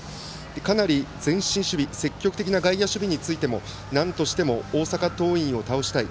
かなり前進守備、積極的な外野守備についてもなんとしても大阪桐蔭を倒したい。